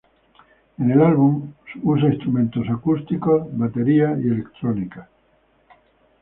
En el álbum, usa instrumentos acústicos, batería y electrónica.